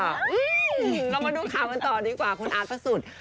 เรามาดูคำอันตอนดีกว่าคุณอาจประสุทธิ์